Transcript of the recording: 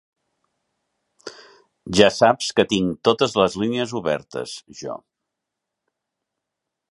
Ja saps que tinc totes les línies obertes, jo.